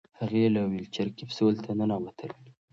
هغې له ویلچیر کپسول ته ننوتله.